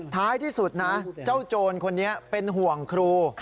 ท้ายที่สุดนะเจ้าโจรคนนี้เป็นห่วงครู